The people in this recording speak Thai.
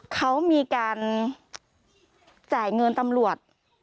เขามีการจ่ายเงินตำรวจ